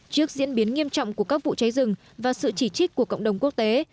trước diễn biến nghiêm trọng của các vụ cháy rừng và sự chỉ trích của cộng đồng quốc tế